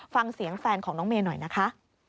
ฟังเสียงแฟนของน้องเมย์หน่อยนะคะ